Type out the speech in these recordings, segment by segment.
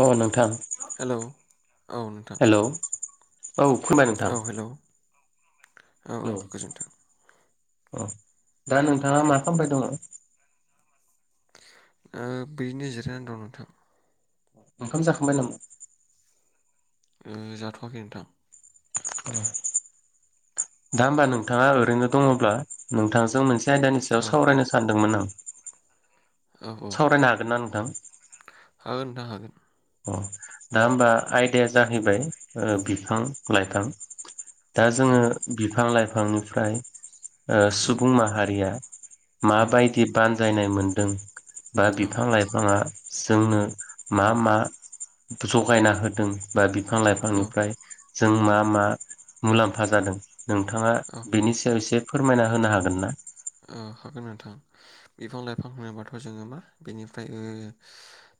अ नोंथां। हेलौ औ नोंथां। हेलौ औ खोनाय नोंथां औ हेलौ औ औ गोजोन्थों। अ दा नोंथाङा मा खामबाय दङ? ओ बिदिनो जिरायनानै दं नोंथां। ओंखाम जाखांबाय नामा? जाथ'वाखै नोंथां दा होमबा नोंथाङा ओरैनो दङब्ला नोंथांजों मोनसे आयदानि सायाव औ सावरायनो सानदोंमोन आं औ औ सावरायनो हागोन ना नोंथां हागोन हागोन अ दा होमबा आयदाया जाहैबाय बिफां लाइफां दा औ जोङो बिफां लाइफांनिफ्राय उम सुबुं माहारिया उम माबायदि बानजायनाय मोनदों बा औ बिफां लाइफाङा जोंनो मा मा जगायना होदों बा बि बिफां औ लाइफांनिफ्राय जों मा मा मुलाम्फा जादों। नोंथाङा औ बेनि सायाव एसे फोरमायना होनो हागोन ना। औ हागोन नोंथां बिफां लाइफां होनोबाथ' जोङो मा बेनिफ्राय ओ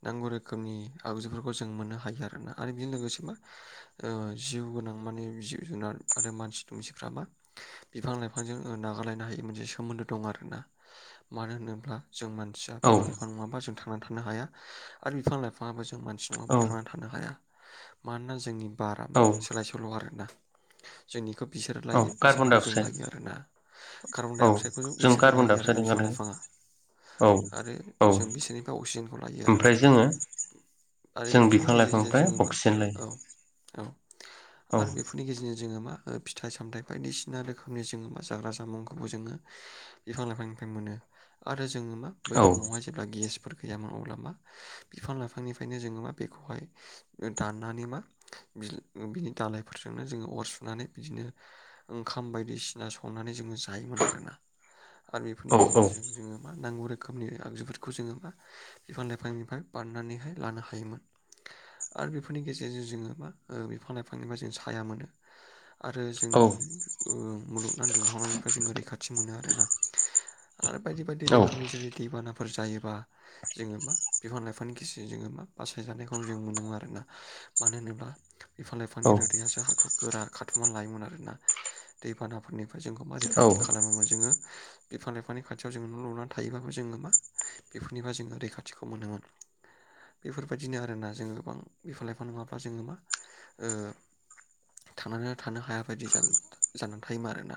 नांगौ रोखोमनि आगजुफोरखौ जों मोननो हायो आरोना आरो बेजों लोगोसे मा जिउ गोनां माने जिब जुनार आरो मानसि दुमसिफ्रबा बिफां लाइफांजों नागारलायनो हायो मोनसे सोमोन्दो दं। आरोना मानो होनोब्ला जों मानसिया औ बिफां लाइफां नङाबा जों थां नानै थानो हाया आरो बिफां लाइफाङाबो जों मानसि औ नङाबा थांनानै थानो हाया। मानोना जोंनि बारा औ मा सोलाय सोल' आरोना जोंनिखो बिसोर औ लायो कार्बन डाइ बिसोरनिखौ जों अक्साइड लायो आरोना कार्बन औ डाइ अक्साइद जों बिसोरो कार्बन डाइ लायो अक्साइड आरोना बिफां ओंखारदों लाइफाङा। औ आरो औ जों बिसोरनिफ्राय अक्सिजेनखौ लायो आरोना। ओमफ्राय जोङो आरो जों बेफोरनि बिफां गेजेरजोंनो लाइफांनिफ्राय जोङो मा अक्सिजेन लायो औ औ औ आरो बेफोरनि गेजेरजों जों जोङो मा फिथाइ सामथायाइ बायदिसिना रोखोमनि जोङो मा जाग्रा जामुंखौबो जोङो बिफां लाइफांनिफ्राय मोनो आरो जोङो मा बै औ टाइमावहाय जेब्ला गेस फोर गैयामोन अब्ला मा बिफां लाइफांनिफ्रायनो जोङो मा बेखौहाय दाननानै मा बिनि दालायफोरजोंनो जोङो अर सुनानै बिदिनो ओंखाम बायदिसिना संनानै जोङो जायो मोन ना। आरो बेफोरनि औ गेजेरजों जोङो मा नांगौ रोखोमनि आगजुफोरखौ जोङो मा बिफां लाइफांनिफ्राय बानायनानैहाय लानो हायोमोन। आरो बेफोरनि गेजेरजों जोङो मा बिफां लाइफांनिबा जों साया मोनो। आरो औ जोंनि मुलुगना दुंहावनायनिफ्राय जोङो रैखाथि मोनो आरोना। आरो बायदि बायदि रोखोमनि जेरै दैबाना फोर जायोबा जोङो मा बिफां लाइफां गसेरजों जोङो मा बासायजानायखौनो जों मोनोमोन आरोना। मानो होनोब्ला बिफां लाइफनि रोदैआसो हाखौ गोरा खाथुमनानै लायोमोन आरोना दैबानाफोरनि फ्राय जोंखौ मा औ रैखाथि खालामो मोन जोङो बिफां लाइफांनि खाथियाव जोङो न' लुनानै थायोबाबो जोङो मा बेफोरनिफ्राय जोङो रैखाथिखौ मोनोमोन। बेफोरबायदिनो आरोना जोङो गोबां बिफां लाइफां नङाबा जोङो मा ओ थांनानै थानो हायाबायदि जानानै थायोमोन आरोना।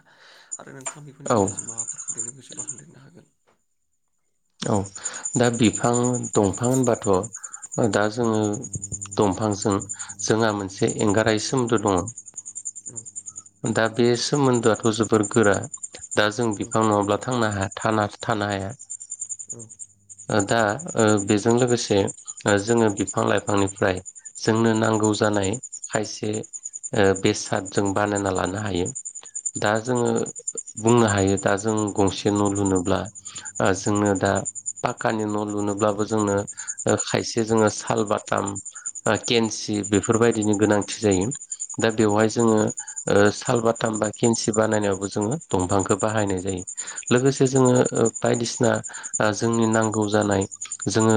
नोंथांङा बेफोरनि औ गेजेरजों माबाफोर होनदेरनो गोसोबा होनदेरनो हागोन‌। औ दा बिफां दंफां होनबाथ' दा जोङो दंफांजों जोंहा मोनसे एंगारहायै सोमोन्दो दङ। औ दा बे सोमोन्दोआथ' जोबोर गोरा दा जों औ बिफां नङाब्लाथाय' थांना हाया थाना थाना हाया। औ दा बेजों लोगोसे जोङो बिफां लाइफांनिफ्राय जोंनो नांगौ जानाय खायसे बेसाद जों बानायना लानो हायो।। दा जोङो बुंनो हायो दा जों गंसे न' लुनोब्ला जोंनो दा पाक्कानि न' लुनोब्लाबो जोंनो खायसे जोङो साल बाथाम केन्सि बेफोरबायदिनि गोनांथि जायो दा बेवहाय जोङो सालबाथामबा खेनसि बानायो। जोङा दवंफांखो बाहायनाय जायो लोगोसे जोङा ओ बायदि सिना ओ जोंनि नांगौ जानाय जोङो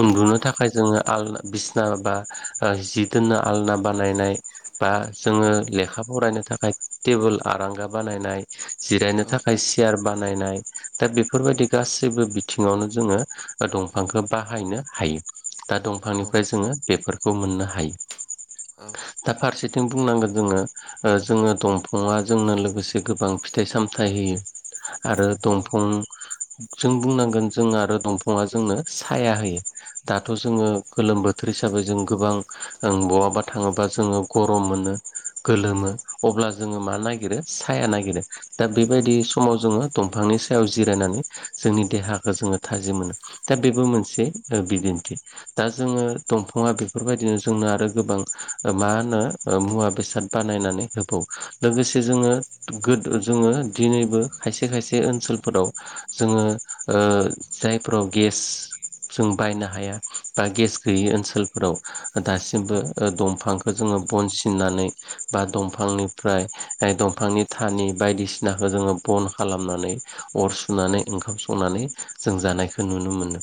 उन्दुनो थाखाय जोङो आलना बिसना बा जि दोननो आलना बानायनाय बा जोङो लेखा फरायनो थाखाय टेबोल आरारांगा बानायनाय जिरायनो थाखाय सियार बानायनाय दा बेफोरबायदि गासैबो जेबो बिथिङावनो जोङो दंफांखौ बाहायनो हायो। दा दंफांनिफ्राय जोङो बेफोरखौ मोननो हायो। औ दा फारसेथिं बुंनांगोन जोङो ओ जोङो दंफाङा जोंनो लोगोसे गोबां फिथाइ सामथाय आरो दंफां जों बुंनांगोन जों आरो दंफाङा जोंनो साया होयो दाथ' जोङो गोलोम बोथोर थोर हिसाबै जों गोबां बहाबा थाङोबा जोङो गरम मोनो गोलोमो अब्ला जोङो मा नागिरो साया नागिरो दा बेबायदि समाव जोङो दंफांनि सायाव जिरायनानै जोंनि देहाखौ जोङो थाजिम मोनो दा बेबो मोनसे बिदिन्थि दा जोङो दंफां [unintelligible] बेफोरबायदिनो जोंनो आरो गोबां मा होनो मुवा बेसाद बानायनानै होबौ लोगोसे जोङोद जोङो दिनैबो खायसे खायसे ओनसोलफोराव जोङो ओ जायफोराव गेस जों बायनो हाया बा गेस गैयि ओनसोलफोराव दासिमबो ओ दंफां जोङो बनसिननानै बा दांनिफ्राय दंफांनि थानि बायदिसिना जोङो बन खालामनानै अर सुनानै ओंखाम संनानै जों जानायखौ नुनो मोनो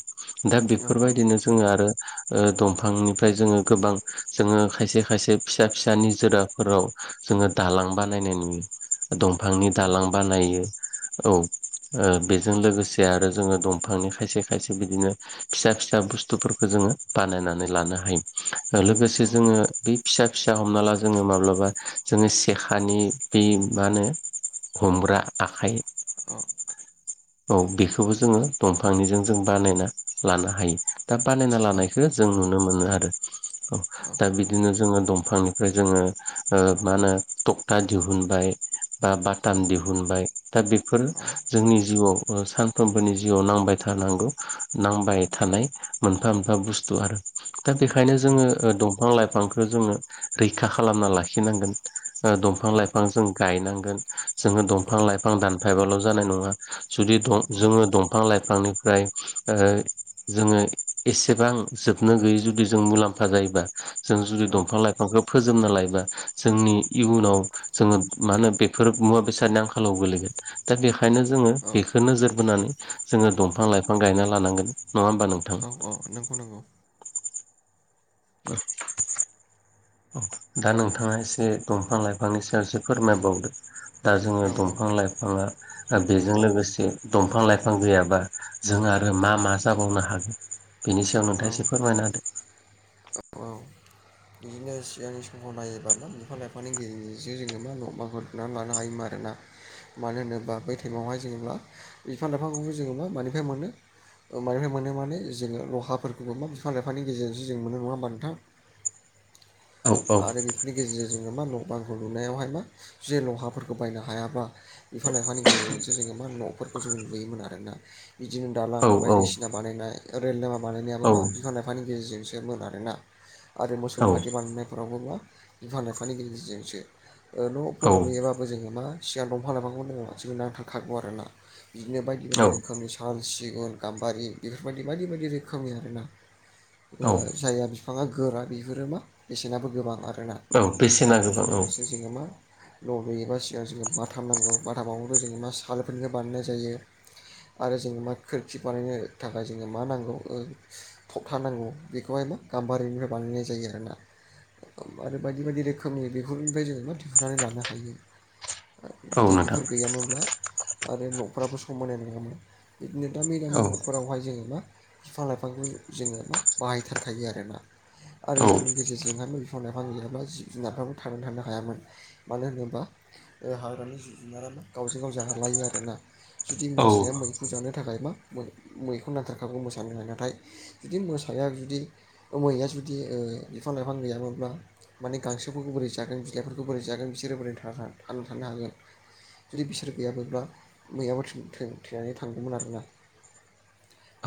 दा बेफोरबायदिनो जोङो आरो ओ दंफांनिफ्राय जोङो गोबां जोङो खायसे खायसे फिसा फिसानि जोराफोराव जोङो दालां बानायनाय नु दंफांनि दालां बानायो औ ओ जों लोगोसे आरो जोङो दंफांनि खायसे खायसे बिदिनो फिसा फिसा बुस्थुफोरखौ जोङो बानाय लानो हायो लोगोसे जोङो बे फिसा फिसा हमना ला जोङो माब्लाबा जोङो सेखानि बे मा होनो हमग्रा आखाइ औ बेखौबो जोङो दंफांनिजों जों बानायना लानो हायो। दा बानायना लानायखौ जों नुनो मोन नो मोनला आरो अ दा बिदिनो जोङो दंनिफ्राय जोङो ओ मा होनो खखथा दिहुनबाय बा बाथाम दिहुनबाय दा बेफोरो जोंनि जिउआव ओ सानफ्रोमबोनि जिउआव नांबाय थानांगौ नांबाय थानाय मोनफा मोनफा बुस्थु आरो दा बेखायनो जोङो दंफां लाइफांखौ जोङो रैखा खालामना लाखिनांगोन। ओ दंफां लाइफां जों गायनांगोन जोङो दंफां लाइफां दानफायबाल' जानाय नङा जुदि द जोङो दंफां लाइफांनिफ्राय ओ जोङो एसेबां जोबनो गैयै जुदि जों मुलाम्फा जायोबा जों जुदि दंफां लाइफांखौ फोजोबना लायोबा जोंनि इयुनाव जोङो मा होनो बेफोर मुवा बेसादनि आंखालाव गोलैगोन। दा बेखायनो जोङो बेखौ नोजोर बोनानै जोङो दंफां लाइफां गायना लानांगोन नङा नोंथां औ औ नंगौ नंगौ। [unintelligible] दा नोंथाङा एसे दंफां लाइफांनि सायावसो फोरमायबावदो? दा औ जोङो दंफां लाइफाङा बेजों लोगोसे दंफां लाइफां गैयाबा जों आरो मा मा जाबावनो हागोन बेनि सायाव औ नोंथाङा एसे फोरमायना होदो? औ बिदिनो सिगांनि सहर नायोबा बिफां लाइफानि गेजेरजों जोङो मा न' बाफोरनानै लानो हायोमोन आरोना। मानो होनोबा बै टाइमावहाय जेनेबा बिफां लाइफांखौबो जोबा मानिफ्राय मोनो ओ मानिफ्राय मोनो माने जोङो लहाफोरखौबो मा बिफां लाइफांनि गेजेरजोंसो जों मोनो नङा होमबा नोंथां। [inaudible] होदो आरो बेफोरनि गेजेरजों जोङो मा न बांखौ लुनायावहाय मा जे लहाफोरखौ बायनो हायाबा। बिफां लाइफांनि गेजेरजोंसो जोङो मा न'फोरखौ जोङो लुयोमोन आरोना। बिदिनो दालां औ औ बायदिसिना बानायनाय रेल लामा बानायनायाबो औ मा बिफां लाइफांनि गेजेरजोंसो। सो मोन आरोना आरो मोसौ औ गारि बानायनायफोरावबो मा बिफां लाइफांनि गेजेरजोंसो। ओ औ न'फोर लुयोबाबो जोङो मा सिगां दंफां [unintelligible] जोंङो नांथारखागौ आरोना। बिदिनो बायदि बायदि औ रोखोमनि साल सिगुन गाम्बारि बेफोरबायदि बायदि बायदि रोखोमनि आरो ना। ओ औ जायहा बिफाङा गोरा बिफोरो मा बेसेनाबो गोबां आरो। औ बेसेना आरो बेजों गोबां औ लोगोसे जोङो मा न' लुयोबा सिगां जोङो बाथाम नांगौ बाथामावबोथ' जोङो मा सालफोरनिफ्राय बानायनाय जायो। आरो जोङो मा खोरखि बानायनो थाखाय जोङो मा नांगौ थखथा नांगौ बेखौहाय गाम्बारिनिफ्राय बांनायनाय जायो आरोना। आरो बायदि बायदि रोखोमनि बेफोरनिफ्राय जोङो मा दिहुनन्नानै लानो हायो। औ जुदि नोंथां बेफोर गैयामोनब्ला आरो न'फ्राबो समायनाय नङामोन। बिदिनो दामि दामि औ न'फोरावहाय जोङो मा बिफां लाइफांखौ जोङो मा बाहायथारखायो आरोना। आरो औ बेफोरनि गेजेरजोंहाय बिफां लाइफां गैयाबा जिब जुनारफ्राबो थांनानै थानो हायामोन मानो होनोबा ओ हाग्रानि जिब जुनाराना मा गावजों गाव जालायो आरोना जुदि औ मोसाया मैखौ जानो थाखाय मा मैखौ नांथारखागौ मोसानो हाय नाथाय जुदि मोसाया जुदि मैया जुदि बिदि ओ बिफां लाइफां गैयामोनब्ला माने गांसोफोरखौ बोरै जागोन बिलाइफोरखौ बोरै जागोन बिसोरो बोरै थागोन? थानो हागोन। जुदि बिसोर गैयामोनब्ला मैयाबो थै थैनानै थांगौमोन आरोना।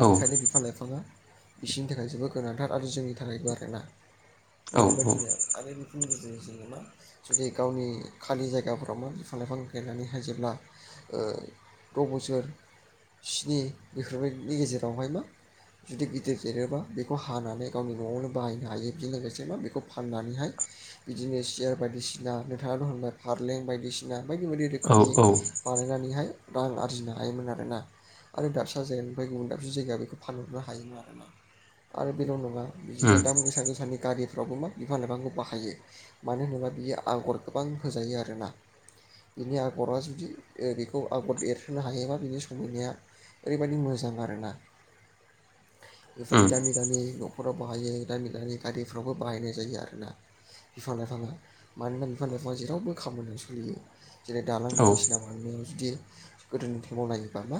औ बिफां लाइफाङा बिसिनि थाखाय जोबोद गोनांथार आरो जोंनि थाखायबो आरोना। औ बेफोरबायदिनो आरो [unintelligible] जों जेनबा जुदि गावनि खालि जायगाफोराव मा बिफां लाइफां गायनानैहाय जेब्ला ओ द' बोसोर स्नि बेफोरबायनि गेजेरावहाय मा जुदि गिदिर देरोबा बेखौ हानानै गावनि न'आवनो बाहायनो हायो बिजों लोगोसे मा बेखौ फाननानैहाय बिदिनो सियार बायदिसिना नोंथांआ दं ओमफ्राय फारलें बायदिसिना बायदि बायदि रोखोमनि औ औ बानायनानैहाय रां आरजिनो हायोमोन आरोना। आरो दाबसे जायनिफ्राय गुबुन दाबसे जायगा बेखौ फानहरनो हायोमोन आरोना आरो बेल' नङा बिदिनो दाम गोसा गोसानि गारि फोरावबो मा बिफां लाइफांखौ बाहायो मानो होनोबा बियो आगर गोबां होजायो आरोना। बिनि आगरा जुदि ओ बेखौ आगर एरहोनो हायोबा बिनि समायनाया ओरैबायदि मोजां आरोना। [inaudible] बेफोरनि उम उम दामि दामि न'खराव बाहायो दामि दामि गारिफ्रावबो बाहायनाय जायो आरोना। बिफां लाइफाङा मानोना बिफां लाइफाङा जेरावबो खामानिआव सलियो। जेरै दालां औ बायदिसिना बानायनायाव जुदि गोदोनिफ्राय मावनायोबा मा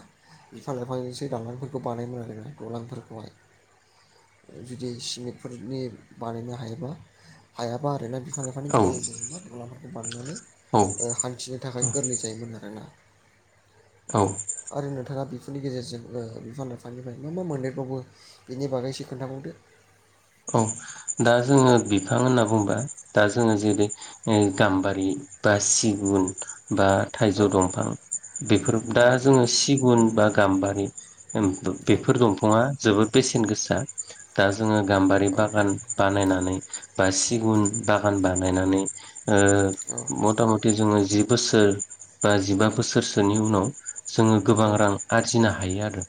बिफां लाइफांजोंसो दालांफोरखौ बानायोमोन आरोना दलांफोरखौहाय। [inaudible] जुदि सिमेन्टफोरनि बानायनो हायोबा हायाबा आरोना। बिफां लाइफांनि औ गेजेरजों मा दलांफोरखौ बारनानै औ ओ हान्थिनो थाखाय गोरलै जायोमोन आरोना। औ आरो नोंथांङा बि बिनि गेजेरजों ओ बिफां लाइफांनिफ्राय मा मा मोनदेरबावो बिनि बागै एसे खोन्थाबावदो? औ दा जोङो बिफां होनना बुंङोबा दा जोङो जेरै गाम्बारि बा सिगुन बा औ थाइजौ दंफां बेफोर औ दा जोङो सिगुन बा गाम्बारि औ बेफोर दंफाङा जोबोद बेसेन गोसा दा जोङो गाम्बारि औ बागान बानायनानै बा सिगुन बागान बानायनानै ओ औ मथा मथि जोङो जि बोसोर बा जिबा बोसोरसोनि उनाव जोङो गोबां रां आरजिनो हायो आरो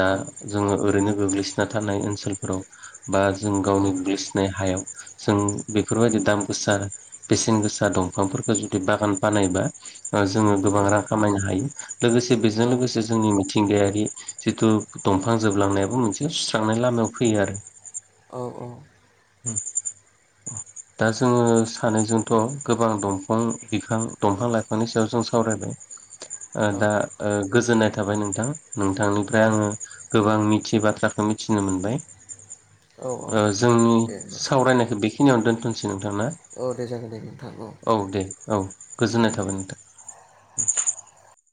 दा औ जोङो ओरैनो गोग्लै सोना थानाय ओनसोलफोराव बा जों औ गावनि गोग्लैसिनाय हायाव जों बेफोरबायदि दाम गोसा बेसेन गोसा दंफांफोरखौ जुदि बागान बानायबा ओ जोङो गोबां रां खामायनो हायो लोगोसे बेजों लोगोसे जोंनि मि थिंगायारि जिथु दंफां जोबलांनायाबो मोनसे सुस्रांनाय लामायाव फैयो आरो। औव औव। दा जोङो सानैजोंथ' गोबां दंफां बिफां दंफां लाइफांनि सायाव जों सावरायबाय ओ दा ओ गोजोननाय थाबाय नोंथां औ नोंथांनिफ्राय आङो गोबां मिथियै बाथ्राखौ मिथिनो मोनबाय। औ औ ओ जोंनि दे होमबा सावरायनायखौ बेखिनियावनो दोनथ'सै। नोंथांना औ दे जागोन दे नोंथां औ दे औ गोजोननाय औ थाबाय नोंथां। [inaudible]